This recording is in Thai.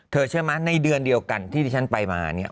เชื่อไหมในเดือนเดียวกันที่ที่ฉันไปมาเนี่ย